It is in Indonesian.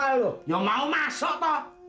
masa gini lo mau masuk toh